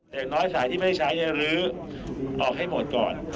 เด็กน้อยสายที่ไม่ใช้จะลื้อออกให้หมดก่อน